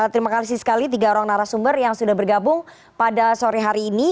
terima kasih sekali tiga orang narasumber yang sudah bergabung pada sore hari ini